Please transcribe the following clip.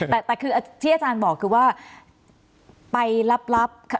แต่คือที่อาจารย์บอกคือว่าไปลับ